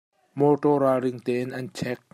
Mawtaw ralring tein an chek.